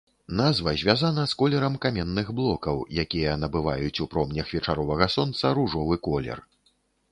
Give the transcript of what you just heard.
Назва звязана з колерам каменных блокаў, якія набываюць ў промнях вечаровага сонца ружовы колер.